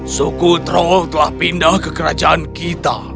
suku troll telah pindah ke kerajaan kita